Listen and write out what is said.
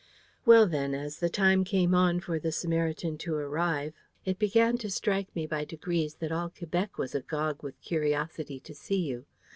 "Well then, as the time came on for the Sarmatian to arrive, it began to strike me by degrees that all Quebec was agog with curiosity to see you.